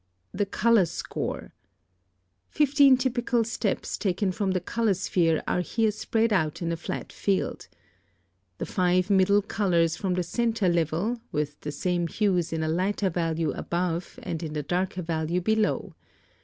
2. The Color Score. Fifteen typical steps taken from the color sphere are here spread out in a flat field. The FIVE MIDDLE COLORS form the centre level, with the same hues in a lighter value above and in a darker value below.